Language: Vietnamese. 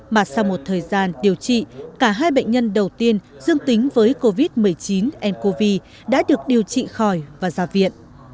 mà sau một thời gian điều trị cả hai bệnh nhân đầu tiên dương tính với covid một mươi chín covid đã được điều trị khỏi và ra viện